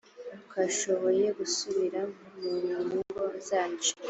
twashoboye gusubira mu ngo zacu